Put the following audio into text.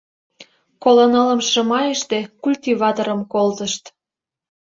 Коло нылымше майыште культиваторым колтышт